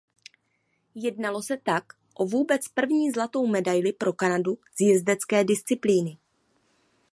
Jednalo se tak o vůbec první zlatou medaili pro Kanadu z jezdecké disciplíny.